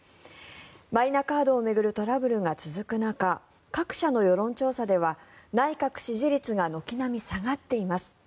マイナカードを巡るトラブルが続く中、各社の世論調査では内閣支持率が軒並み下がっています。